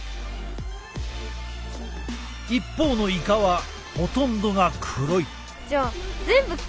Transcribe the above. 一方のイカはほとんどが黒い。